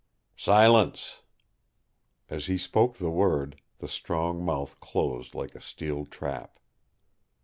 "Silence!" As he spoke the word, the strong mouth closed like a steel trap.